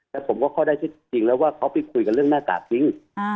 แล้วผมก็เข้าได้ที่จริงแล้วว่าเขาไปคุยกันเรื่องหน้ากากจริง